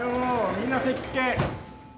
みんな席着け。